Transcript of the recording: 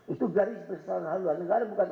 itu garis besar haluan negara bukan